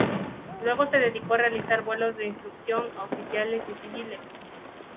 Luego se dedicó a realizar vuelos de instrucción a oficiales y civiles.